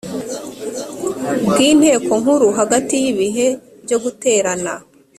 bw inteko nkuru hagati y ibihe byo guterana